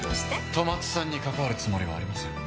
戸松さんに関わるつもりはありません。